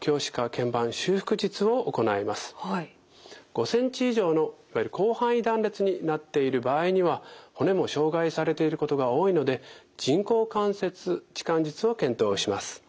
５ｃｍ以上のいわゆる広範囲断裂になっている場合には骨も傷害されていることが多いので人工関節置換術を検討します。